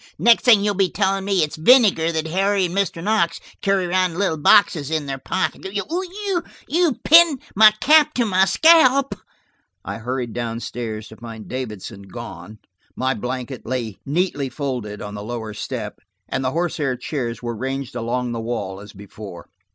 "Next thing you'll be telling me it's vinegar that Harry and Mr. Knox carry around in little boxes in their pockets. You've pinned my cap to my scalp." I hurried down stairs to find Davidson gone. My blanket lay neatly folded, on the lower step, and the horsehair chairs were ranged along the wall as before.